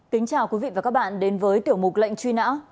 kính chào quý vị và các bạn đến với tiểu mục lệnh truy nã